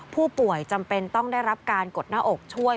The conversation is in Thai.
ผู้ป่วยจำเป็นต้องได้รับการกดหน้าอกช่วย